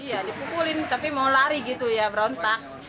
iya dipukulin tapi mau lari gitu ya berontak